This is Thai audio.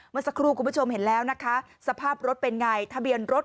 เมื่อสักครู่คุณผู้ชมเห็นแล้วนะคะสภาพรถเป็นไงทะเบียนรถ